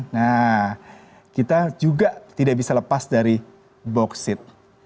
nah kita juga tidak bisa lepas dari boksit